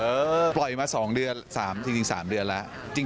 เออปล่อยมาสองเดือนจริงสามเดือนแล้ว